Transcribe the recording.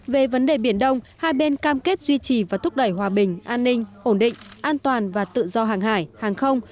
về vấn đề biển đông hai bên cam kết duy trì và thúc đẩy hòa bình an ninh ổn định an toàn và tự do hàng hải hàng không